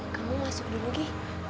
kamu masuk dulu gi